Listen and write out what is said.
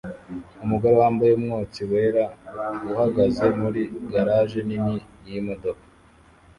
Umugore wambaye umwotsi wera uhagaze muri garage nini n'imodoka